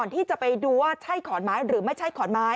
ที่จะไปดูว่าใช่ขอนไม้หรือไม่ใช่ขอนไม้